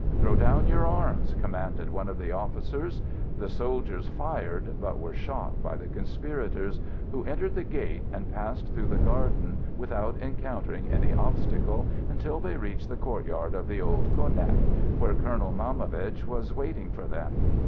"Throw down your arms!" commanded one of the officers. The soldiers fired, but were shot by the conspirators, who entered the gate and passed through the garden, without encountering any obstacle until they reached the courtyard of the old Konac, where Colonel Maumovitch was waiting for them.